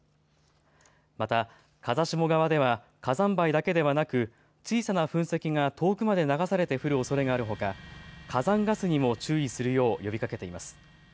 また、風下側では火山灰だけではなく小さな噴石が遠くまで流されて降るおそれがあるほか火山ガスにも注意するよう呼びかけています。